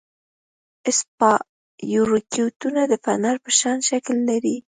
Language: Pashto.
اسپایروکیټونه د فنر په شان شکل لري.